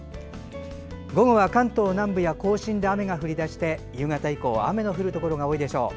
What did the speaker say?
午後は関東南部や甲信で雨が降り出して夕方以降は雨の降るところが多いでしょう。